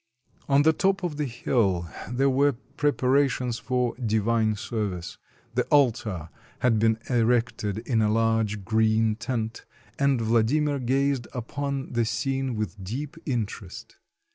On the top of the hill there were preparations for divine service; the altar had been erected in a large green tent, and Vladimir gazed upon the scene with deep in terest.